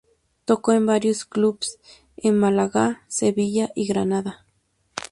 Tocó en varios clubes en Málaga, Sevilla y Granada.